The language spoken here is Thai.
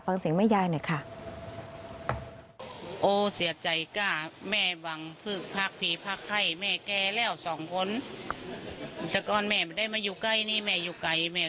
ฟังเสียงแม่ยายหน่อยค่ะ